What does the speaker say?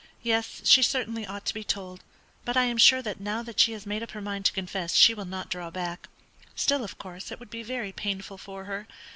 Yes, she certainly ought to be told; but I am sure that now she has made up her mind to confess she will not draw back. Still, of course, it would be very painful for her.